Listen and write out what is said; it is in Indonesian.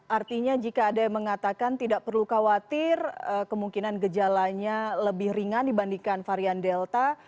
artinya jika ada yang mengatakan tidak perlu khawatir kemungkinan gejalanya lebih ringan dibandingkan varian delta